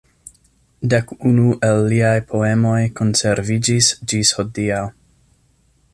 Dek unu el liaj poemoj konserviĝis ĝis hodiaŭ.